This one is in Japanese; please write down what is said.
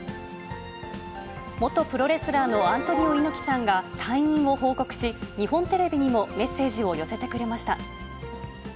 元プロレスラーのアントニオ猪木さんが、退院を報告し、日本テレビにもメッセージを寄せてくれました。